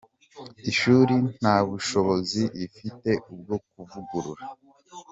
Ishuri nta bushobozi rifite bwo kuvugurura.